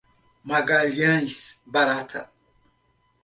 Magalhães Barata